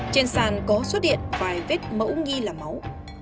trên sàn có xuất hiện vài vết mẫu nghi lạc